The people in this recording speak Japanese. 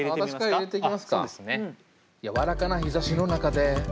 「やわらかな日差しの中で」